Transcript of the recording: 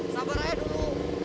sabar aja dulu